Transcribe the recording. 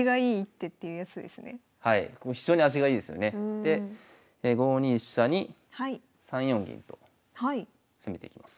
で５二飛車に３四銀と攻めていきます。